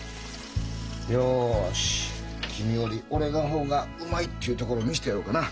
よし君より俺の方がうまいっていうところを見せてやろうかな。